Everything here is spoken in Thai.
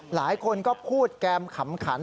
หลายคนก็พูดแก้มขำขัน